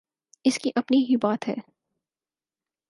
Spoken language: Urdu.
اس کی اپنی ہی بات ہے۔